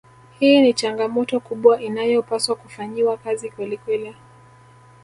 Hii ni changamoto kubwa inayopaswa kufanyiwa kazi kwelikweli